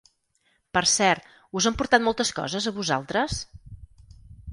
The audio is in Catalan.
Per cert, us han portat moltes coses a vosaltres?